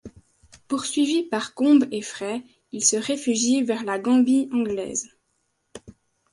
Poursuivi par Combes et Frey, il se réfugie vers la Gambie anglaise.